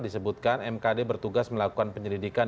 disebutkan mkd bertugas melakukan penyelidikan